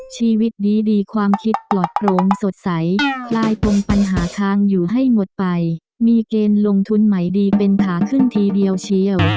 ชีวิตนี้ดีความคิดปลอดโปร่งสดใสคลายปมปัญหาค้างอยู่ให้หมดไปมีเกณฑ์ลงทุนใหม่ดีเป็นขาขึ้นทีเดียวเชียว